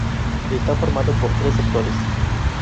Está formado por tres sectores.